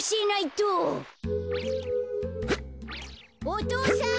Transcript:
お父さん！